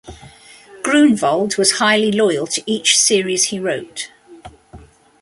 Gruenwald was highly loyal to each series he wrote.